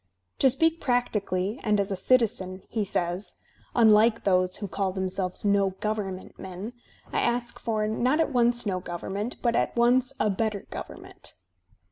"To speak practically and as a citizen," he says, "unlike those who call themselves no govemment men, I ask for, not at once no government, but at once a better government."